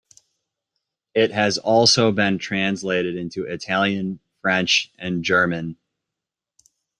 It has also been translated into Italian, French, and German.